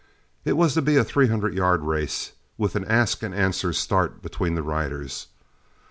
It was to be a three hundred yard race, with an ask and answer start between the riders.